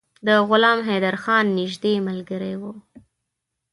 د غلام حیدرخان نیژدې ملګری وو.